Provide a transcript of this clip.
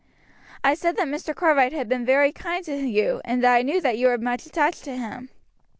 I said that Mr. Cartwright had been very kind to you, and that I knew that you were much attached to him.